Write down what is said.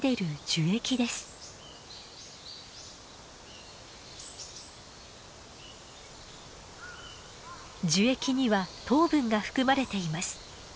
樹液には糖分が含まれています。